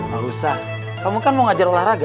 gak usah kamu kan mau ngajar olahraga